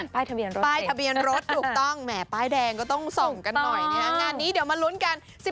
ป้ายทะเบียนรถเตะถูกต้องแหมป้ายแดงก็ต้องส่งกันหน่อยเนี่ยงานนี้เดี๋ยวมาลุ้นกัน